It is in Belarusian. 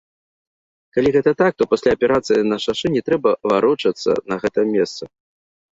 Калі гэта так, то пасля аперацыі на шашы не трэба варочацца на гэтае месца.